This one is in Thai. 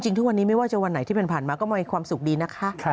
ทุกวันนี้ไม่ว่าจะวันไหนที่ผ่านมาก็มีความสุขดีนะคะ